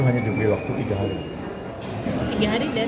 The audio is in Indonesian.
hanya diberi waktu tiga hari dan